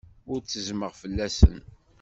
Ur ttezzmeɣ fell-asen.